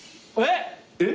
えっ？